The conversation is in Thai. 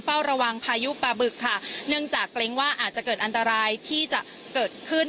เฝ้าระวังพายุปลาบึกค่ะเนื่องจากเกรงว่าอาจจะเกิดอันตรายที่จะเกิดขึ้น